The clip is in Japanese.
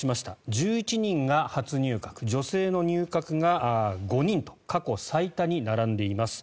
１１人が初入閣女性の入閣が５人と過去最多に並んでいます。